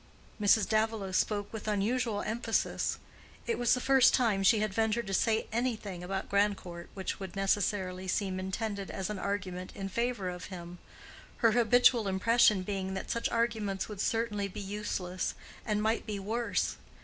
Mrs. Davilow spoke with unusual emphasis: it was the first time she had ventured to say anything about Grandcourt which would necessarily seem intended as an argument in favor of him, her habitual impression being that such arguments would certainly be useless and might be worse.